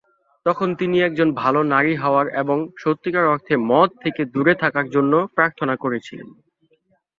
তখন তিনি একজন ভাল নারী হওয়ার এবং সত্যিকার অর্থে মদ থেকে দুরে থাকার জন্য প্রার্থনা করেছিলেন।